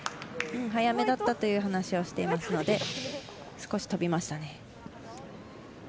早めだったという話をしていますので少し飛びましたね。